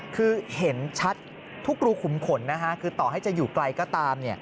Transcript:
คือเห็นชัดทุกรูขุมขนคือต่อให้จะอยู่ไกลก็ตาม